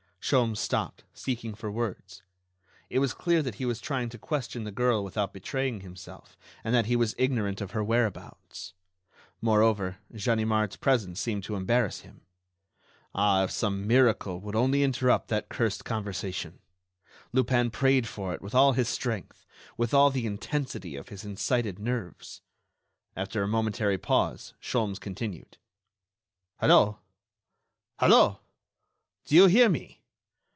Sholmes stopped, seeking for words. It was clear that he was trying to question the girl without betraying himself, and that he was ignorant of her whereabouts. Moreover, Ganimard's presence seemed to embarrass him.... Ah! if some miracle would only interrupt that cursed conversation! Lupin prayed for it with all his strength, with all the intensity of his incited nerves! After a momentary pause, Sholmes continued: "Hello!... Hello!... Do you hear me?...